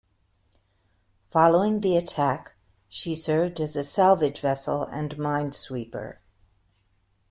Following the attack, she served as a salvage vessel and minesweeper.